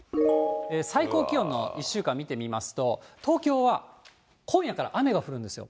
最高気温の１週間を見てみますと、東京は今夜から雨が降るんですよ。